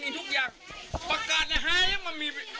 แค้นเหล็กเอาไว้บอกว่ากะจะฟาดลูกชายให้ตายเลยนะ